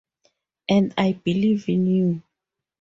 And I believed in you.